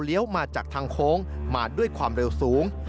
มาจากทางโค้งมาด้วยความเร็วสูง